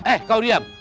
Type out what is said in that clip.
eh kau diam